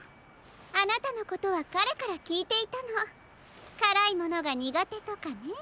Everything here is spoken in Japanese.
あなたのことはかれからきいていたのからいものがにがてとかね。